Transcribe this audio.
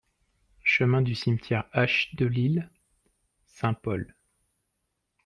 Chemin du Cimetière H Delisle, Saint-Paul